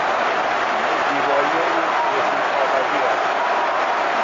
زیبایی او توصیفناپذیر است.